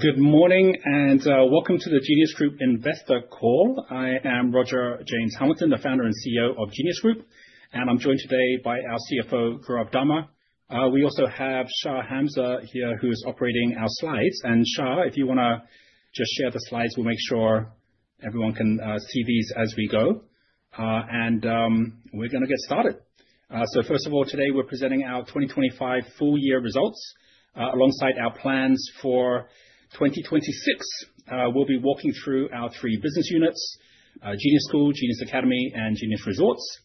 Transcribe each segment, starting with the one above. Good morning, welcome to the Genius Group Investor Call. I am Roger James Hamilton, the founder and CEO of Genius Group, I'm joined today by our CFO, Gaurav Dama. We also have Shah Hamza here, who is operating our slides. Shah, if you want to just share the slides, we'll make sure everyone can see these as we go. We're going to get started. First of all, today we're presenting our 2025 full year results alongside our plans for 2026. We'll be walking through our three business units, Genius School, Genius Academy, and Genius Resorts,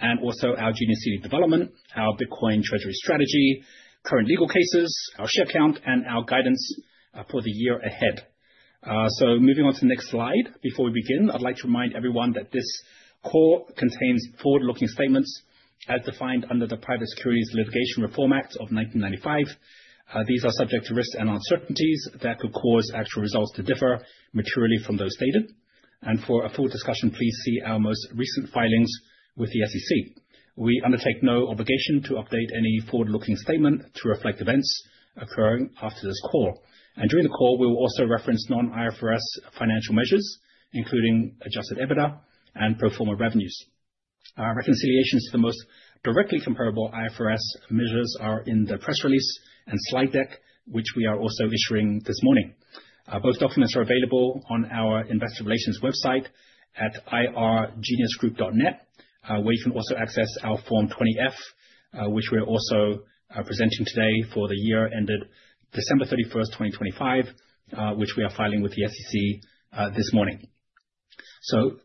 and also our Genius City Development, our Bitcoin treasury strategy, current legal cases, our share count, and our guidance for the year ahead. Moving on to the next slide. Before we begin, I'd like to remind everyone that this call contains forward-looking statements as defined under the Private Securities Litigation Reform Act of 1995. These are subject to risks and uncertainties that could cause actual results to differ materially from those stated. For a full discussion, please see our most recent filings with the SEC. We undertake no obligation to update any forward-looking statement to reflect events occurring after this call. During the call, we will also reference non-IFRS financial measures, including adjusted EBITDA and pro forma revenues. Reconciliations to the most directly comparable IFRS measures are in the press release and slide deck, which we are also issuing this morning. Both documents are available on our investor relations website at ir.geniusgroup.net, where you can also access our Form 20-F, which we're also presenting today for the year ended December 31, 2025, which we are filing with the SEC this morning.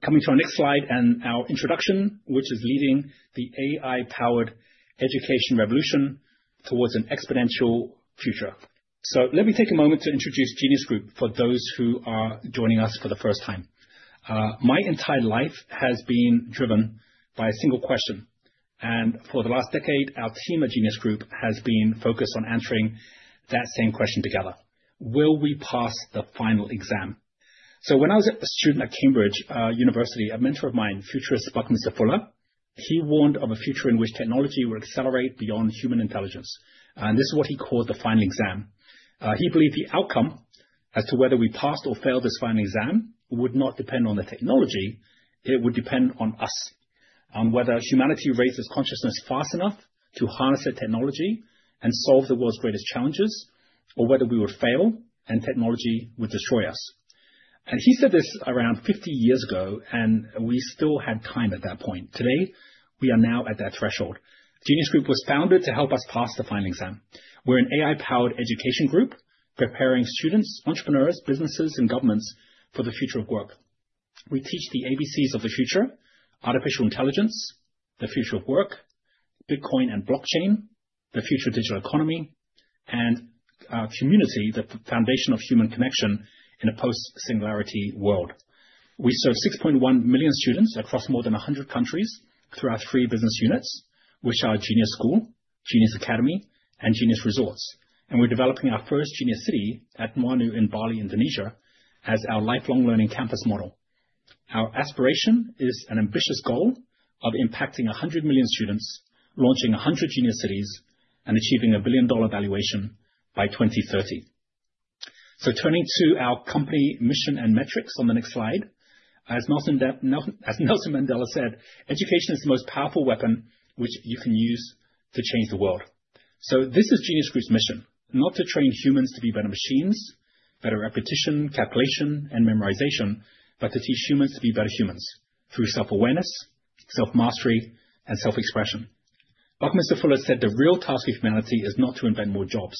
Coming to our next slide and our introduction, which is leading the AI-powered education revolution towards an exponential future. Let me take a moment to introduce Genius Group for those who are joining us for the first time. My entire life has been driven by a single question. For the last decade, our team at Genius Group has been focused on answering that same question together. Will we pass the final exam? When I was a student at Cambridge University, a mentor of mine, futurist Buckminster Fuller, he warned of a future in which technology will accelerate beyond human intelligence, and this is what he called the final exam. He believed the outcome as to whether we passed or failed this final exam would not depend on the technology, it would depend on us, on whether humanity raises consciousness fast enough to harness that technology and solve the world's greatest challenges, or whether we would fail and technology would destroy us. He said this around 50 years ago, and we still had time at that point. Today, we are now at that threshold. Genius Group was founded to help us pass the final exam. We're an AI-powered education group preparing students, entrepreneurs, businesses, and governments for the future of work. We teach the ABCs of the future, artificial intelligence, the future of work, Bitcoin and blockchain, the future of digital economy, and community, the foundation of human connection in a post-singularity world. We serve 6.1 million students across more than 100 countries through our three business units, which are Genius School, Genius Academy, and Genius Resorts. We're developing our first Genius City at Uluwatu in Bali, Indonesia, as our lifelong learning campus model. Our aspiration is an ambitious goal of impacting 100 million students, launching 100 Genius Cities, and achieving a billion-dollar valuation by 2030. Turning to our company mission and metrics on the next slide. As Nelson Mandela said, "Education is the most powerful weapon which you can use to change the world." This is Genius Group's mission. Not to train humans to be better machines, better repetition, calculation, and memorization, but to teach humans to be better humans through self-awareness, self-mastery, and self-expression. Buckminster Fuller said, "The real task of humanity is not to invent more jobs.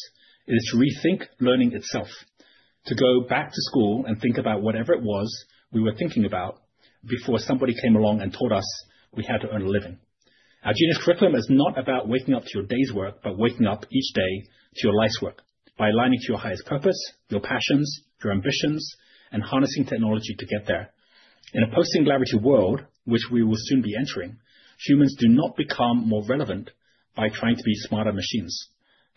It is to rethink learning itself. To go back to school and think about whatever it was we were thinking about before somebody came along and told us we had to earn a living." Our Genius curriculum is not about waking up to your day's work, but waking up each day to your life's work by aligning to your highest purpose, your passions, your ambitions, and harnessing technology to get there. In a post-singularity world, which we will soon be entering, humans do not become more relevant by trying to be smarter machines.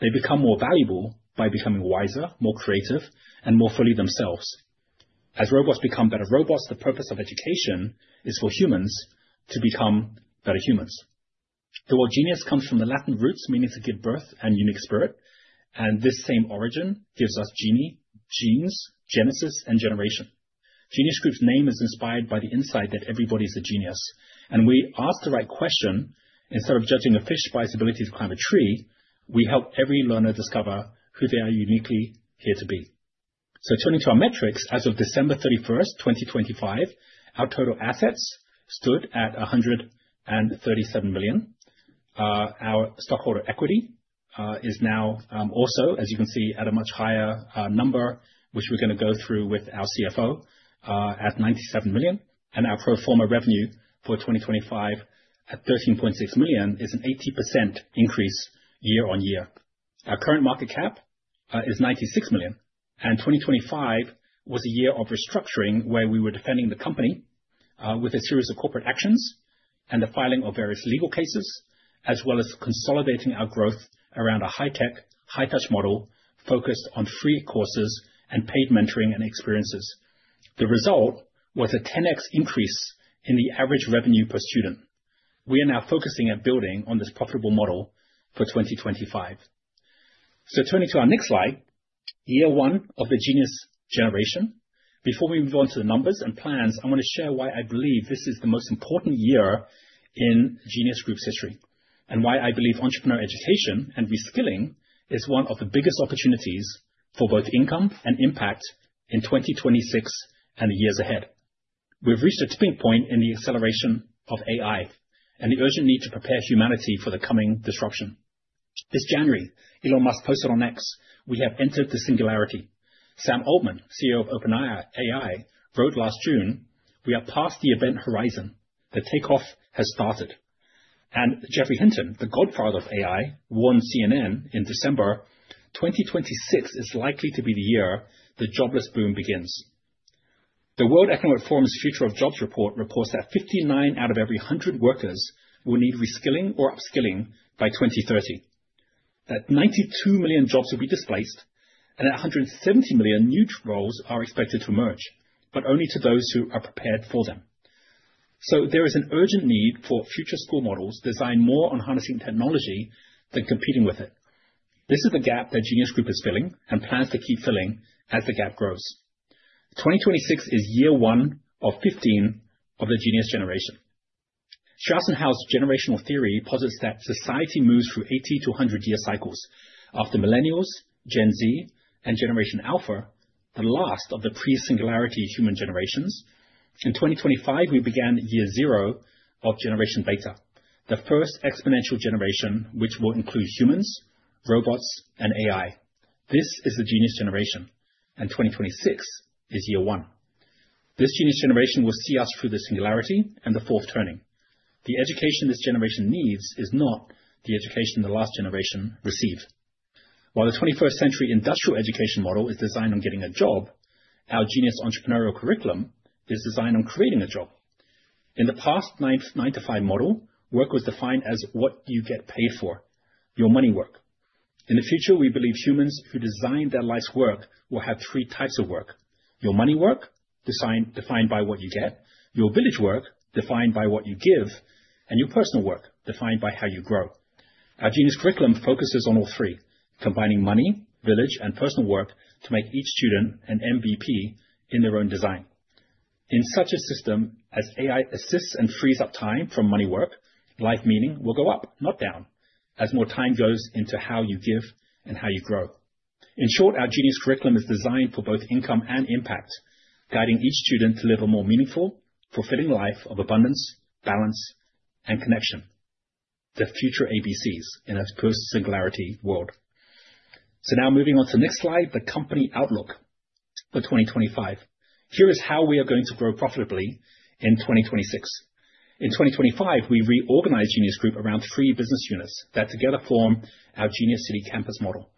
They become more valuable by becoming wiser, more creative, and more fully themselves. As robots become better robots, the purpose of education is for humans to become better humans. The word genius comes from the Latin roots meaning to give birth and unique spirit, and this same origin gives us genie, genes, genesis, and generation. Genius Group's name is inspired by the insight that everybody is a genius. We ask the right question. Instead of judging a fish by its ability to climb a tree, we help every learner discover who they are uniquely here to be. Turning to our metrics, as of December 31, 2025, our total assets stood at $137 million. Our stockholder equity is now also, as you can see, at a much higher number, which we're going to go through with our CFO, at $97 million. Our pro forma revenue for 2025 at $13.6 million is an 80% increase year-over-year. Our current market cap is $96 million. 2025 was a year of restructuring where we were defending the company with a series of corporate actions and the filing of various legal cases, as well as consolidating our growth around a high-tech, high-touch model focused on free courses and paid mentoring and experiences. The result was a 10x increase in the average revenue per student. We are now focusing on building on this profitable model for 2025. Turning to our next slide, year one of the Genius Generation. Before we move on to the numbers and plans, I want to share why I believe this is the most important year in Genius Group's history, and why I believe entrepreneur education and reskilling is one of the biggest opportunities for both income and impact in 2026 and the years ahead. We've reached a tipping point in the acceleration of AI and the urgent need to prepare humanity for the coming disruption. This January, Elon Musk posted on X, "We have entered the singularity." Sam Altman, CEO of OpenAI, wrote last June, "We are past the event horizon. The takeoff has started." Geoffrey Hinton, the godfather of AI, warned CNN in December, "2026 is likely to be the year the jobless boom begins." The World Economic Forum's Future of Jobs Report reports that 59 out of every 100 workers will need reskilling or upskilling by 2030. 92 million jobs will be displaced, and that 170 million new roles are expected to emerge, but only to those who are prepared for them. There is an urgent need for future school models designed more on harnessing technology than competing with it. This is the gap that Genius Group is filling, and plans to keep filling as the gap grows. 2026 is year 1 of 15 of the Genius Generation. Strauss and Howe's generational theory posits that society moves through 80-100-year cycles. After Millennials, Gen Z, and Generation Alpha, the last of the pre-singularity human generations. In 2025, we began year 0 of Generation Beta, the first exponential generation which will include humans, robots, and AI. This is the Genius Generation, and 2026 is year 1. This Genius Generation will see us through the singularity and the fourth turning. The education this generation needs is not the education the last generation received. While the 21st century industrial education model is designed on getting a job, our Genius entrepreneurial curriculum is designed on creating a job. In the past nine-to-five model, work was defined as what you get paid for, your money work. In the future, we believe humans who design their life's work will have three types of work. Your money work, design defined by what you get. Your village work, defined by what you give, and your personal work, defined by how you grow. Our Genius curriculum focuses on all three, combining money, village, and personal work to make each student an MVP in their own design. In such a system, as AI assists and frees up time from money work, life meaning will go up, not down, as more time goes into how you give and how you grow. In short, our Genius curriculum is designed for both income and i mpact, guiding each student to live a more meaningful, fulfilling life of abundance, balance, and connection. The future ABCs in a post-singularity world. Now moving on to the next slide, the company outlook for 2025. Here is how we are going to grow profitably in 2026. In 2025, we reorganized Genius Group around three business units that together form our Genius City Campus model.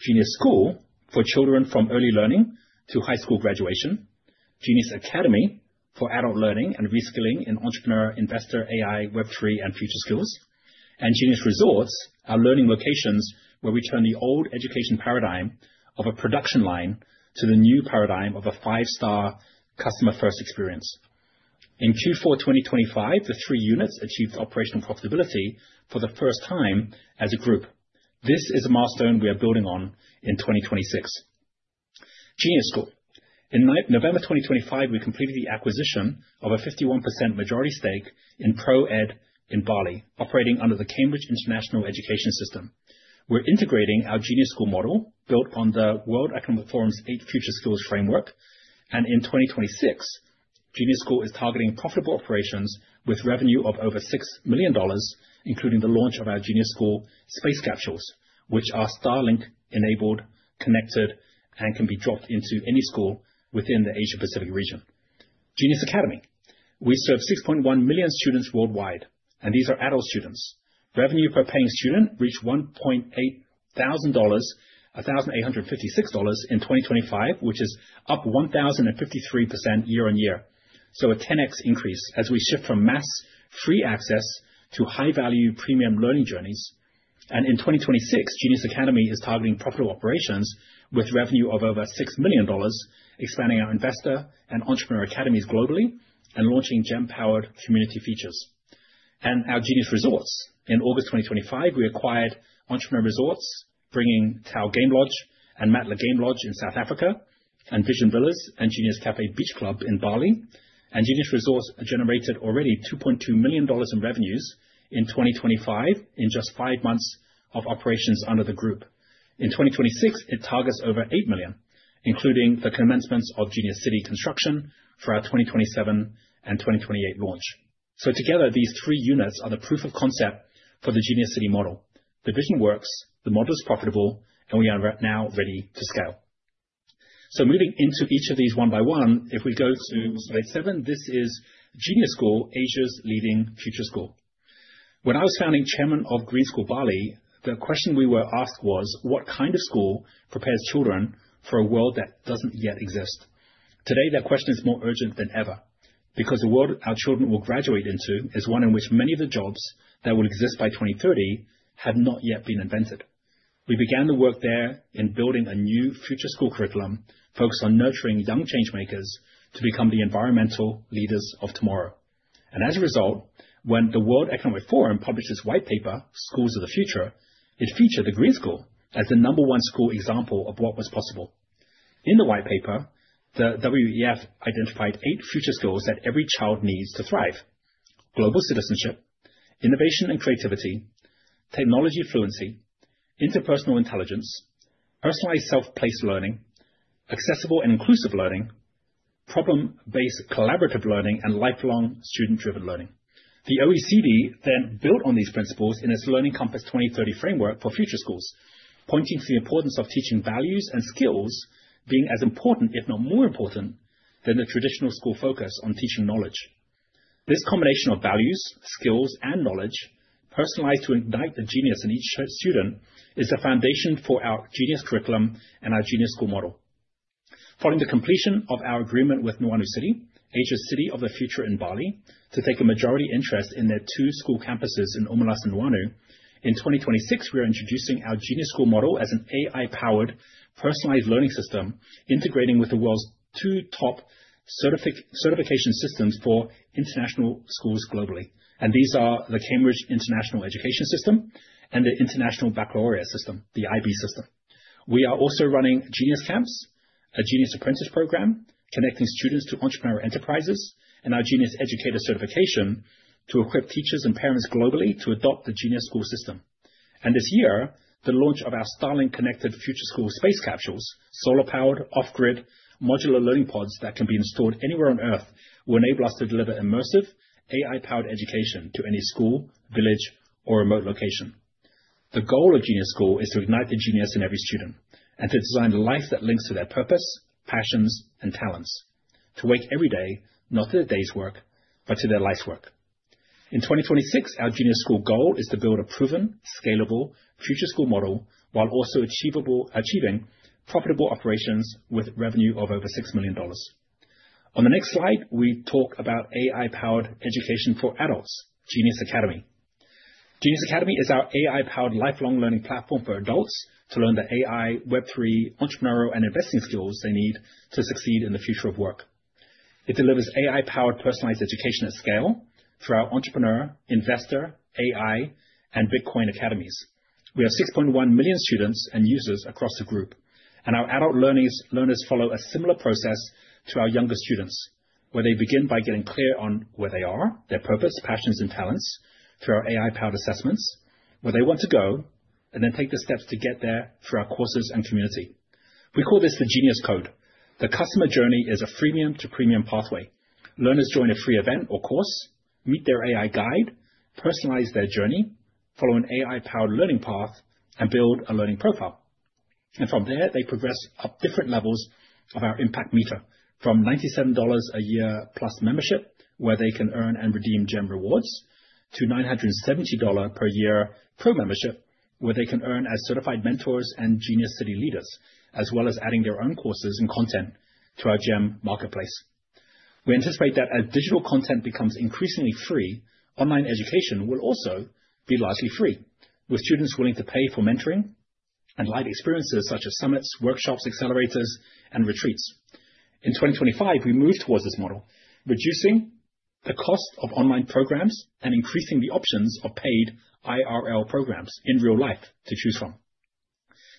Genius School for children from early learning to high school graduation. Genius Academy for adult learning and reskilling in entrepreneur, investor, AI, Web3, and future skills. Genius Resorts, our learning locations where we turn the old education paradigm of a production line to the new paradigm of a five-star customer-first experience. In Q4 2025, the 3 units achieved operational profitability for the first time as a group. This is a milestone we are building on in 2026. Genius School. In Mi-November 2025, we completed the acquisition of a 51% majority stake in Pro Education in Bali, operating under the Cambridge International Education System. We're integrating our Genius School model built on the World Economic Forum's 8 future skills framework. In 2026, Genius School is targeting profitable operations with revenue of over $6 million, including the launch of our Genius School Space Capsules, which are Starlink enabled, connected, and can be dropped into any school within the Asia-Pacific region. Genius Academy. We serve 6.1 million students worldwide, and these are adult students. Revenue per paying student reached $1,856 in 2025, which is up 1,053% year-on-year. A 10x increase as we shift from mass free access to high-value premium learning journeys. In 2026, Genius Academy is targeting profitable operations with revenue of over $6 million, expanding our Investor and Entrepreneur Academies globally and launching Gen-powered community features. Our Genius Resorts. In August 2025, we acquired Entrepreneur Resorts, bringing Tau Game Lodge and Matla Game Lodge in South Africa and Vision Villas and Genius Café Beach Club in Bali. Genius Resorts generated already $2.2 million in revenues in 2025 in just five months of operations under the group. In 2026, it targets over 8 million, including the commencements of Genius City construction for our 2027 and 2028 launch. Together, these three units are the proof of concept for the Genius City model. The vision works. The model is profitable, and we are now ready to scale. Moving into each of these one by one. If we go to slide 7, this is Genius School, Asia's leading future school. When I was founding chairman of Green School Bali, the question we were asked was: What kind of school prepares children for a world that doesn't yet exist? Today, that question is more urgent than ever because the world our children will graduate into is one in which many of the jobs that will exist by 2030 have not yet been invented. We began the work there in building a new future school curriculum focused on nurturing young change-makers to become the environmental leaders of tomorrow. As a result, when the World Economic Forum published its white paper, Schools of the Future, it featured the Green School as the number 1 school example of what was possible. In the white paper, the WEF identified 8 future skills that every child needs to thrive: global citizenship, innovation and creativity, technology fluency, interpersonal intelligence, personalized self-paced learning, accessible and inclusive learning, problem-based collaborative learning, and lifelong student-driven learning. The OECD built on these principles in its Learning Compass 2030 framework for future schools, pointing to the importance of teaching values and skills being as important, if not more important, than the traditional school focus on teaching knowledge. This combination of values, skills, and knowledge personalized to ignite the genius in each student is the foundation for our Genius curriculum and our Genius School model. Following the completion of our agreement with Nuanu City, Asia's city of the future in Bali, to take a majority interest in their two school campuses in Umalas and Nuanu. In 2026, we are introducing our Genius School model as an AI-powered personalized learning system, integrating with the world's two top certification systems for international schools globally. These are the Cambridge International Education System and the International Baccalaureate system, the IB system. We are also running Genius Camps, a Genius Apprentice program connecting students to entrepreneur enterprises, and our Genius Educator Certification to equip teachers and parents globally to adopt the Genius School system. This year, the launch of our Starlink-connected Future School Space Capsules, solar-powered, off-grid, modular learning pods that can be installed anywhere on Earth, will enable us to deliver immersive AI-powered education to any school, village, or remote location. The goal of Genius School is to ignite the genius in every student and to design a life that links to their purpose, passions, and talents. To wake every day, not to the day's work, but to their life's work. In 2026, our Genius School goal is to build a proven, scalable Future School model while also achieving profitable operations with revenue of over $6 million. On the next slide, we talk about AI-powered education for adults, Genius Academy. Genius Academy is our AI-powered lifelong learning platform for adults to learn the AI, Web3, entrepreneurial, and investing skills they need to succeed in the future of work. It delivers AI-powered personalized education at scale through our entrepreneur, investor, AI, and Bitcoin academies. We have 6.1 million students and users across the group. Our adult learners follow a similar process to our younger students, where they begin by getting clear on where they are, their purpose, passions, and talents through our AI-powered assessments, where they want to go, then take the steps to get there through our courses and community. We call this the Genius Code. The customer journey is a freemium to premium pathway. Learners join a free event or course, meet their AI guide, personalize their journey, follow an AI-powered learning path, and build a learning profile. From there, they progress up different levels of our impact meter from $97 a year plus membership, where they can earn and redeem GEM rewards, to $970 per year pro membership, where they can earn as certified mentors and Genius City leaders, as well as adding their own courses and content to our GEM marketplace. We anticipate that as digital content becomes increasingly free, online education will also be largely free, with students willing to pay for mentoring and live experiences such as summits, workshops, accelerators, and retreats. In 2025, we moved towards this model, reducing the cost of online programs and increasing the options of paid IRL programs in real life to choose from.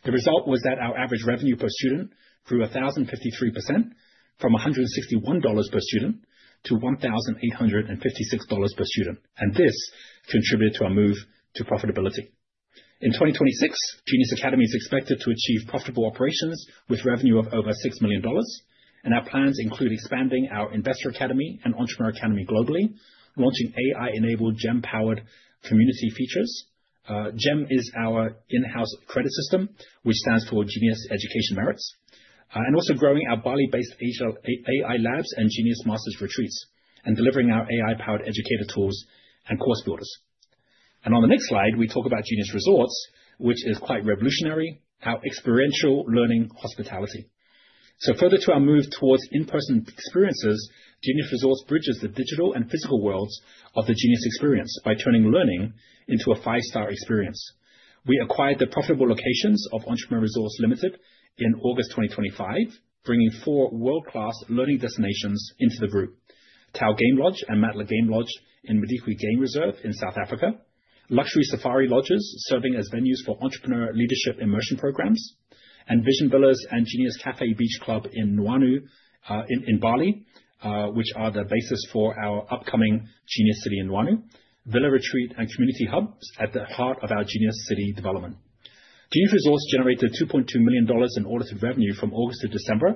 The result was that our average revenue per student grew 1,053% from $161 per student to $1,856 per student. This contributed to our move to profitability. In 2026, Genius Academy is expected to achieve profitable operations with revenue of over $6 million. Our plans include expanding our Investor Academy and Entrepreneur Academy globally, launching AI-enabled, Gem-powered community features. Gem is our in-house credit system, which stands for Genius Education Merits. Also growing our Bali-based AI Labs and Genius Masters Retreats and delivering our AI-powered educator tools and course builders. On the next slide, we talk about Genius Resorts, which is quite revolutionary, our experiential learning hospitality. Further to our move towards in-person experiences, Genius Resorts bridges the digital and physical worlds of the Genius experience by turning learning into a five-star experience. We acquired the profitable locations of Entrepreneur Resorts Limited in August 2025, bringing four world-class learning destinations into the group: Tau Game Lodge and Matla Game Lodge in Madikwe Game Reserve in South Africa, luxury safari lodges serving as venues for entrepreneur leadership immersion programs. Vision Villas and Genius Café Beach Club in Nuanu, in Bali, which are the basis for our upcoming Genius City in Nuanu, villa retreat and community hubs at the heart of our Genius City development. Genius Resorts generated $2.2 million in audited revenue from August to December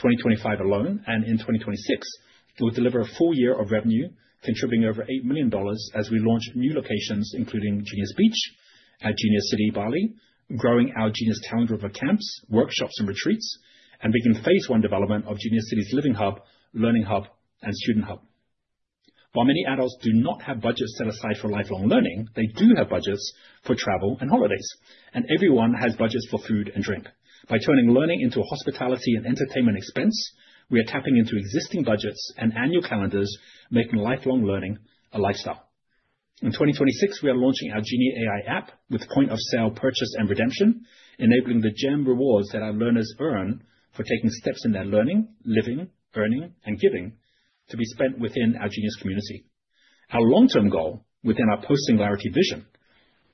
2025 alone. In 2026, it will deliver a full year of revenue, contributing over $8 million as we launch new locations, including Genius Beach at Genius City, Bali, growing our Genius calendar of camps, workshops, and retreats, and begin Phase one development of Genius City's Living Hub, Learning Hub, and Student Hub. While many adults do not have budgets set aside for lifelong learning, they do have budgets for travel and holidays, and everyone has budgets for food and drink. By turning learning into a hospitality and entertainment expense, we are tapping into existing budgets and annual calendars, making lifelong learning a lifestyle. In 2026, we are launching our Genius AI app with point-of-sale purchase and redemption, enabling the GEM rewards that our learners earn for taking steps in their learning, living, earning, and giving to be spent within our Genius community. Our long-term goal within our post-singularity vision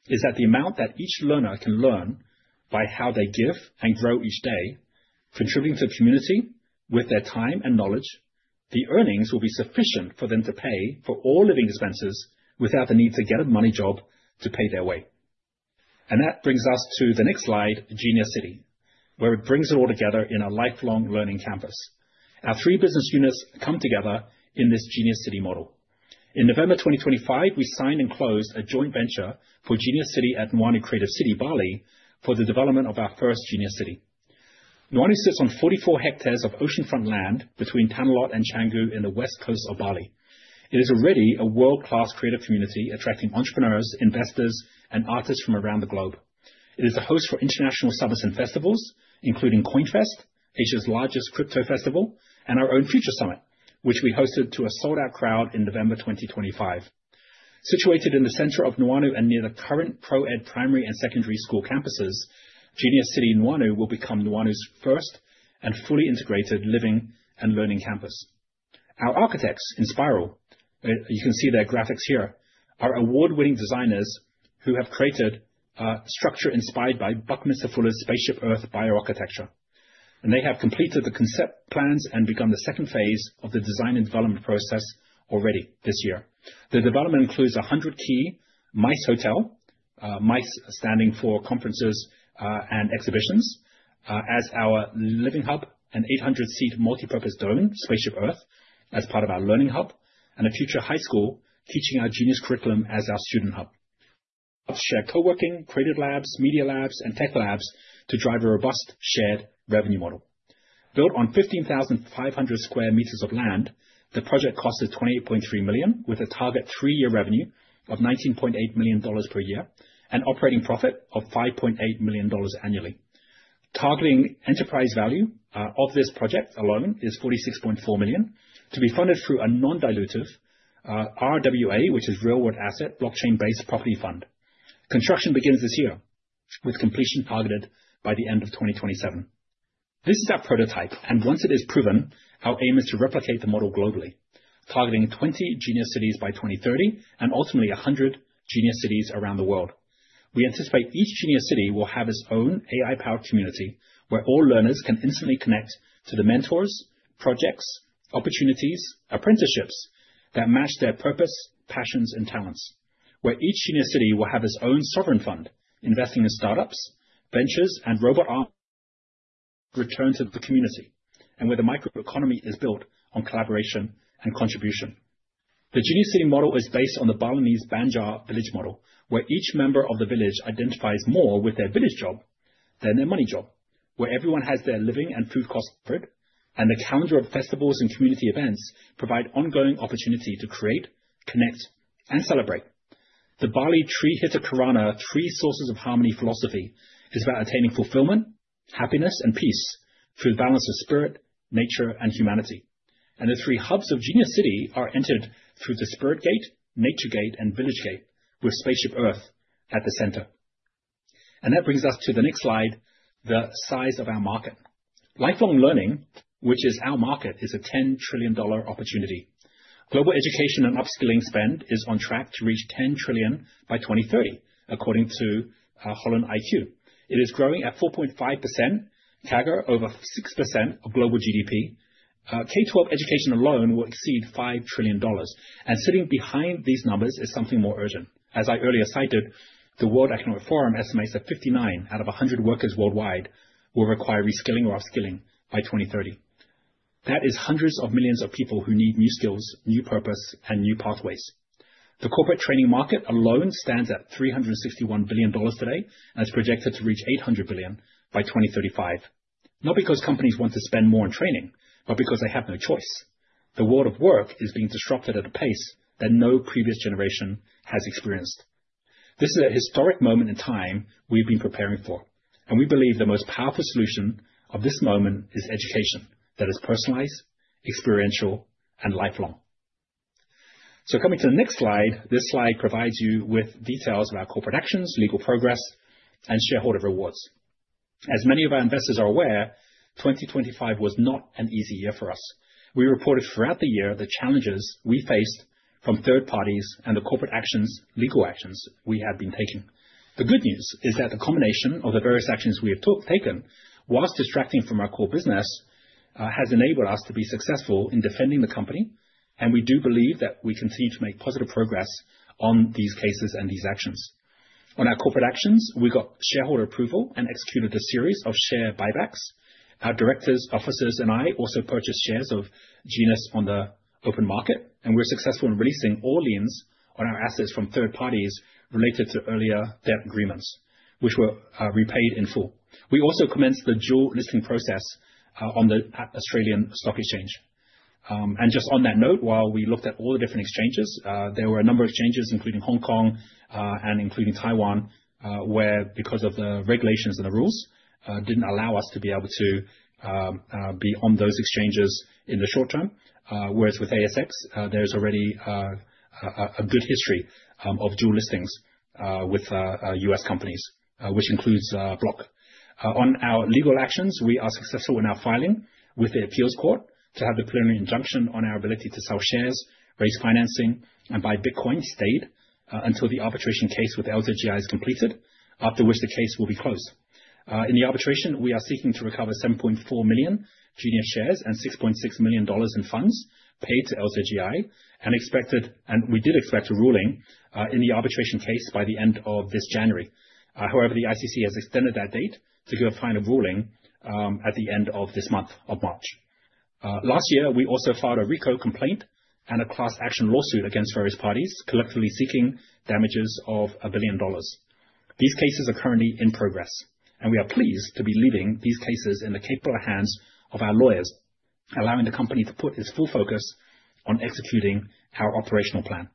is that the amount that each learner can learn by how they give and grow each day, contributing to the community with their time and knowledge, the earnings will be sufficient for them to pay for all living expenses without the need to get a money job to pay their way. That brings us to the next slide, Genius City, where it brings it all together in a lifelong learning campus. Our three business units come together in this Genius City model. In November 2025, we signed and closed a joint venture for Genius City at Nuanu Creative City, Bali, for the development of our first Genius City. Nuanu sits on 44 hectares of oceanfront land between Tanah Lot and Canggu in the west coast of Bali. It is already a world-class creative community, attracting entrepreneurs, investors, and artists from around the globe. It is the host for international summits and festivals, including Coinfest Asia's largest crypto festival, and our own Future Summit, which we hosted to a sold-out crowd in November 2025. Situated in the center of Nuanu and near the current Pro Education primary and secondary school campuses, Genius City Nuanu will become Nuanu's first and fully integrated living and learning campus. Our architects Inspiral, you can see their graphics here, are award-winning designers who have created a structure inspired by Buckminster Fuller's Spaceship Earth bioarchitecture. They have completed the concept plans and begun the second Phase of the design and development process already this year. The development includes a 100-key MICE Hotel, MICE standing for conferences and exhibitions, as our Living Hub, an 800-seat multipurpose dome, Spaceship Earth, as part of our Learning Hub, and a future high school teaching our Genius curriculum as our Student Hub. Share coworking, creative labs, media labs, and tech labs to drive a robust shared revenue model. Built on 15,500 square meters of land, the project cost is $28.3 million, with a target 3-year revenue of $19.8 million per year and operating profit of $5.8 million annually. Targeting enterprise value of this project alone is $46.4 million to be funded through a non-dilutive RWA, which is real world asset, blockchain-based property fund. Construction begins this year with completion targeted by the end of 2027. This is our prototype, and once it is proven, our aim is to replicate the model globally, targeting 20 Genius Cities by 2030 and ultimately 100 Genius Cities around the world. We anticipate each Genius City will have its own AI-powered community where all learners can instantly connect to the mentors, projects, opportunities, apprenticeships that match their purpose, passions, and talents. Where each Genius City will have its own sovereign fund, investing in startups, ventures, and robot arms return to the community, and where the microeconomy is built on collaboration and contribution. The Genius City model is based on the Balinese Banjar village model, where each member of the village identifies more with their village job than their money job, where everyone has their living and food costs covered, and the calendar of festivals and community events provide ongoing opportunity to create, connect, and celebrate. The Bali Tri Hita Karana three sources of harmony philosophy is about attaining fulfillment, happiness, and peace through the balance of spirit, nature, and humanity. The three hubs of Genius City are entered through the spirit gate, nature gate, and village gate, with Spaceship Earth at the center. That brings us to the next slide, the size of our market. Lifelong learning, which is our market, is a $10 trillion opportunity. Global education and upskilling spend is on track to reach $10 trillion by 2030, according to HolonIQ. It is growing at 4.5% CAGR over 6% of global GDP. K-12 education alone will exceed $5 trillion. Sitting behind these numbers is something more urgent. As I earlier cited, the World Economic Forum estimates that 59 out of 100 workers worldwide will require reskilling or upskilling by 2030. That is hundreds of millions of people who need new skills, new purpose, and new pathways. The corporate training market alone stands at $361 billion today and is projected to reach $800 billion by 2035. Not because companies want to spend more on training, but because they have no choice. The world of work is being disrupted at a pace that no previous generation has experienced. This is a historic moment in time we've been preparing for. We believe the most powerful solution of this moment is education that is personalized, experiential, and lifelong. Coming to the next slide, this slide provides you with details of our corporate actions, legal progress, and shareholder rewards. As many of our investors are aware, 2025 was not an easy year for us. We reported throughout the year the challenges we faced from third parties and the corporate actions, legal actions we have been taking. The good news is that the combination of the various actions we have taken whilst distracting from our core business, has enabled us to be successful in defending the company, and we do believe that we continue to make positive progress on these cases and these actions. On our corporate actions, we got shareholder approval and executed a series of share buybacks. Our directors, officers, and I also purchased shares of Genius on the open market. We're successful in releasing all liens on our assets from third parties related to earlier debt agreements, which were repaid in full. We also commenced the dual listing process on the Australian Securities Exchange. Just on that note, while we looked at all the different exchanges, there were a number of exchanges, including Hong Kong and including Taiwan, where because of the regulations and the rules, didn't allow us to be able to be on those exchanges in the short term. With ASX, there's already a good history of dual listings with U.S. companies, which includes Block. On our legal actions, we are successful in our filing with the appeals court to have the preliminary injunction on our ability to sell shares, raise financing, and buy Bitcoin stayed until the arbitration case with LGI is completed, after which the case will be closed. In the arbitration, we are seeking to recover 7.4 million Genius shares and $6.6 million in funds paid to LGI, and we did expect a ruling in the arbitration case by the end of this January. However, the ICC has extended that date to give a final ruling at the end of this month of March. Last year, we also filed a RICO complaint and a class action lawsuit against various parties, collectively seeking damages of $1 billion. These cases are currently in progress. We are pleased to be leaving these cases in the capable hands of our lawyers, allowing the company to put its full focus on executing our operational plan.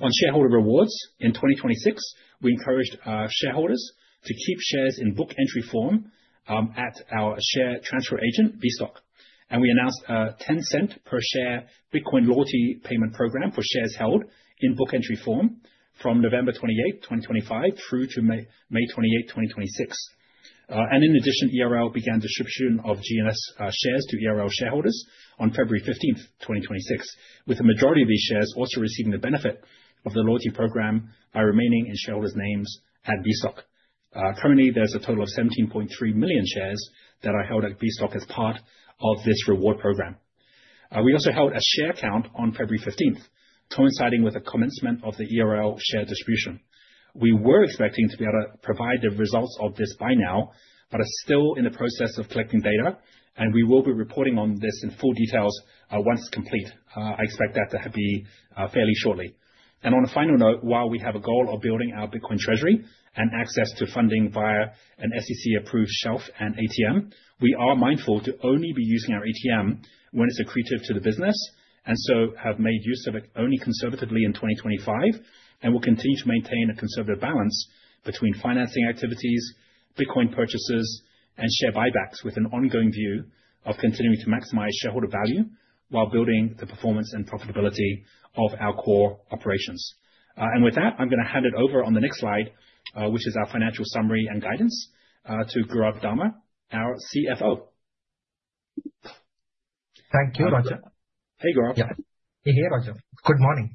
On shareholder rewards, in 2026, we encouraged our shareholders to keep shares in book entry form at our share transfer agent, Vstock. We announced a $0.10 per share Bitcoin loyalty payment program for shares held in book entry form from November 28, 2025 through to May 28, 2026. In addition, ERL began distribution of GNS shares to ERL shareholders on February 15th, 2026, with the majority of these shares also receiving the benefit of the loyalty program by remaining in shareholders' names at Vstock. Currently, there's a total of 17.3 million shares that are held at Vstock as part of this reward program. We also held a share count on February 15th, coinciding with the commencement of the ERL share distribution. We were expecting to be able to provide the results of this by now, but are still in the process of collecting data, and we will be reporting on this in full details once complete. I expect that to be fairly shortly. On a final note, while we have a goal of building our Bitcoin treasury and access to funding via an SEC-approved shelf and ATM, we are mindful to only be using our ATM when it's accretive to the business, and so have made use of it only conservatively in 2025 and will continue to maintain a conservative balance between financing activities, Bitcoin purchases, and share buybacks with an ongoing view of continuing to maximize shareholder value while building the performance and profitability of our core operations. With that, I'm going to hand it over on the next slide, which is our financial summary and guidance, to Gaurav Dama, our CFO. Thank you, Roger. Hey, Gaurav. Yeah. Hey, Roger. Good morning,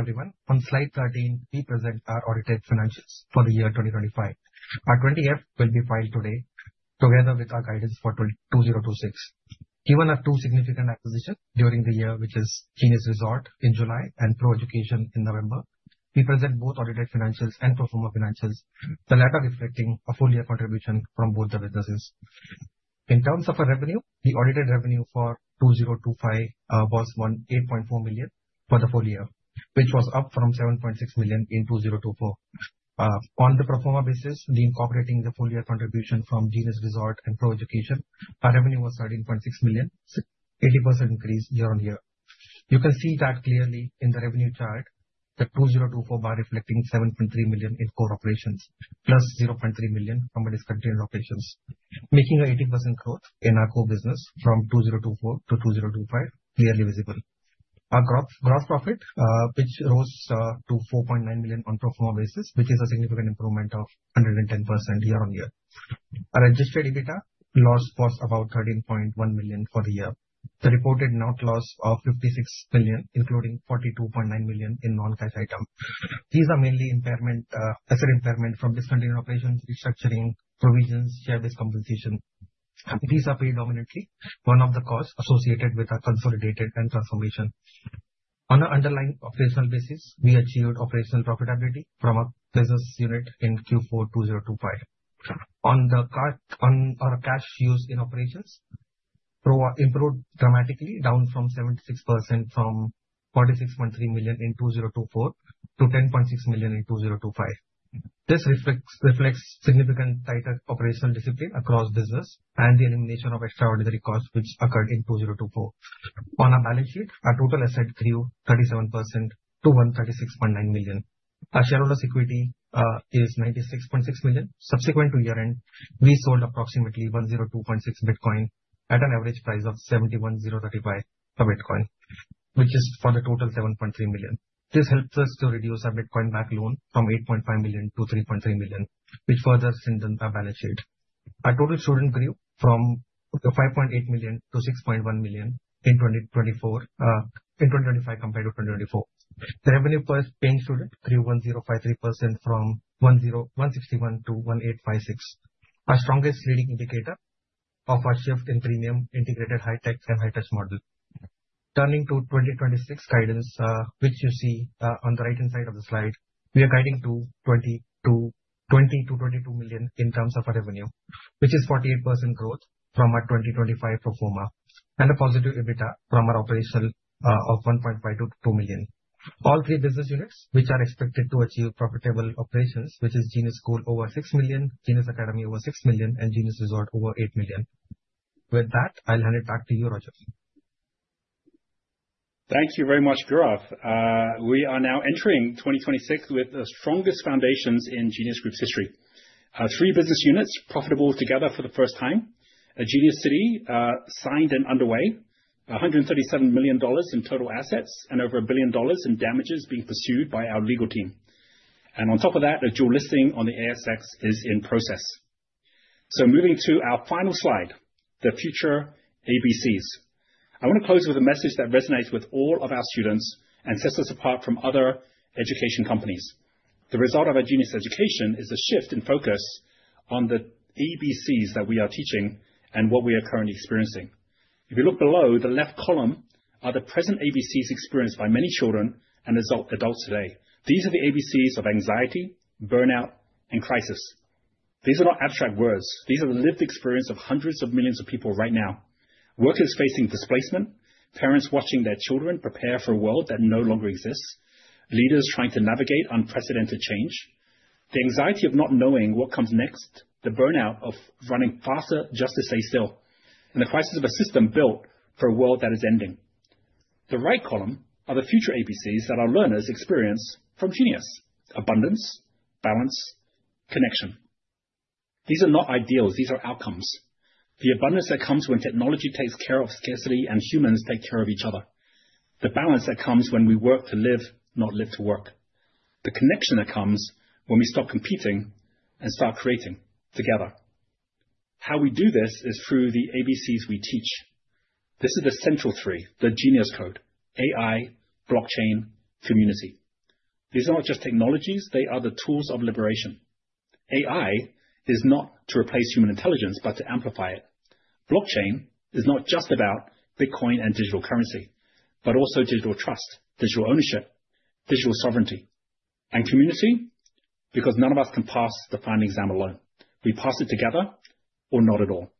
everyone. On slide 13, we present our audited financials for the year 2025. Our 20-F will be filed today together with our guidance for 2026. Given our 2 significant acquisitions during the year, which is Genius Resort in July and Pro Education in November, we present both audited financials and pro forma financials, the latter reflecting a full year contribution from both the businesses. In terms of our revenue, the audited revenue for 2025 was $8.4 million for the full year, which was up from $7.6 million in 2024. On the pro forma basis, reincorporating the full year contribution from Genius Resort and Pro Education, our revenue was $13.6 million, so 80% increase year-over-year. You can see that clearly in the revenue chart, the 2024 bar reflecting $7.3 million in core operations plus $0.3 million from discontinued operations, making an 80% growth in our core business from 2024 to 2025 clearly visible. Our gross profit, which rose to $4.9 million on pro forma basis, which is a significant improvement of 110% year-over-year. Our registered Adjusted EBITDA loss was about $13.1 million for the year. The reported net loss of $56 million, including $42.9 million in non-cash items. These are mainly impairment, asset impairment from discontinued operations, restructuring provisions, share-based compensation. These are predominantly one of the costs associated with our consolidated and transformation. On an underlying operational basis, we achieved operational profitability from our business unit in Q4 2025. On our cash used in operations, improved dramatically, down from 76% from $46.3 million in 2024 to $10.6 million in 2025. This reflects significant tighter operational discipline across business and the elimination of extraordinary costs which occurred in 2024. On our balance sheet, our total assets grew 37% to $136.9 million. Our shareholders' equity is $96.6 million. Subsequent to year-end, we sold approximately 102.6 Bitcoin at an average price of $71,035 a Bitcoin, which is for the total $7.3 million. This helps us to reduce our Bitcoin-backed loan from $8.5 million to $3.3 million, which further strengthened our balance sheet. Our total student grew from, okay, 5.8 million to 6.1 million in 2025 compared to 2024. The revenue per paying student grew 1,053% from $161 to 1,856. Our strongest leading indicator of our shift in premium integrated high-tech and high-touch model. Turning to 2026 guidance, which you see on the right-hand side of the slide, we are guiding to $20 to 22 million in terms of our revenue, which is 48% growth from our 2025 pro forma. A positive EBITDA from our operational of $1.5 to 2 million. All three business units, which are expected to achieve profitable operations, which is Genius School over $6 million, Genius Academy over $6 million, and Genius Resort over $8 million. I'll hand it back to you, Roger. Thank you very much, Gaurav. We are now entering 2026 with the strongest foundations in Genius Group's history. Our three business units profitable together for the first time. A Genius City signed and underway. $137 million in total assets and over $1 billion in damages being pursued by our legal team. On top of that, a dual listing on the ASX is in process. Moving to our final slide, the future ABCs. I want to close with a message that resonates with all of our students and sets us apart from other education companies. The result of a Genius education is a shift in focus on the ABCs that we are teaching and what we are currently experiencing. If you look below, the left column are the present ABCs experienced by many children and adults today. These are the ABCs of anxiety, burnout, and crisis. These are not abstract words. These are the lived experience of hundreds of millions of people right now. Workers facing displacement, parents watching their children prepare for a world that no longer exists, leaders trying to navigate unprecedented change. The anxiety of not knowing what comes next, the burnout of running faster just to stay still, and the crisis of a system built for a world that is ending. The right column are the future ABCs that our learners experience from Genius: abundance, balance, connection. These are not ideals, these are outcomes. The abundance that comes when technology takes care of scarcity and humans take care of each other. The balance that comes when we work to live, not live to work. The connection that comes when we stop competing and start creating together. How we do this is through the ABCs we teach. This is the central three, the Genius Code: AI, blockchain, community. These are not just technologies, they are the tools of liberation. AI is not to replace human intelligence, but to amplify it. Blockchain is not just about Bitcoin and digital currency, but also digital trust, digital ownership, digital sovereignty. Community, because none of us can pass the final exam alone. We pass it together or not at all.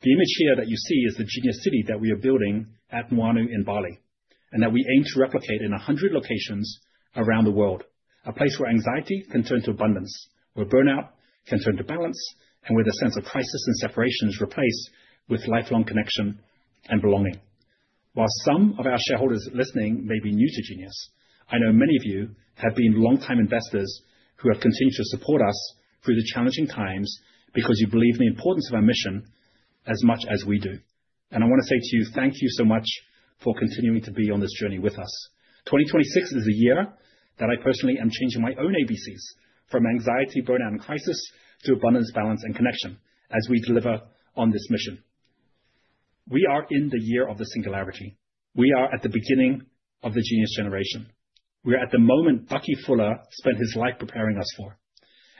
The image here that you see is the Genius City that we are building at Nuanu in Bali, and that we aim to replicate in 100 locations around the world. A place where anxiety can turn to abundance, where burnout can turn to balance, and where the sense of crisis and separation is replaced with lifelong connection and belonging. While some of our shareholders listening may be new to Genius, I know many of you have been long-time investors who have continued to support us through the challenging times because you believe in the importance of our mission as much as we do. I want to say to you, thank you so much for continuing to be on this journey with us. 2026 is a year that I personally am changing my own ABCs from anxiety, burnout, and crisis to abundance, balance, and connection as we deliver on this mission. We are in the year of the singularity. We are at the beginning of the Genius Generation. We are at the moment Bucky Fuller spent his life preparing us for,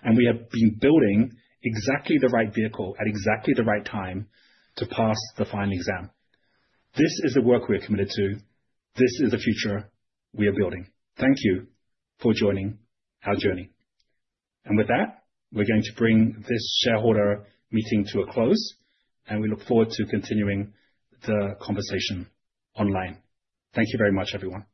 and we have been building exactly the right vehicle at exactly the right time to pass the final exam. This is the work we are committed to. This is the future we are building. Thank you for joining our journey. With that, we're going to bring this shareholder meeting to a close, and we look forward to continuing the conversation online. Thank you very much, everyone.